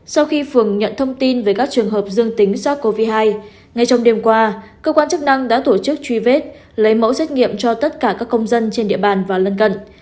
sau khi phường nhận thông tin về các trường hợp dương tính sars cov hai ngay trong đêm qua cơ quan chức năng đã tổ chức truy vết lấy mẫu xét nghiệm cho tất cả các công dân trên địa bàn và lân cận